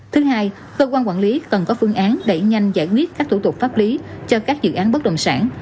thứ hai cơ quan quản lý cần có phương án đẩy nhanh giải quyết các thủ tục pháp lý cho các dự án bất động sản